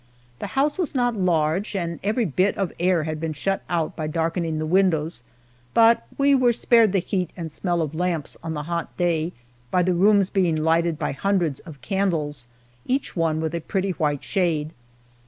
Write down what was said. The house was not large, and every bit of air had been shut out by darkening the windows, but we were spared the heat and smell of lamps on the hot day by the rooms being lighted by hundreds of candles, each one with a pretty white shade.